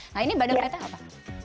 nah ini badan peta apa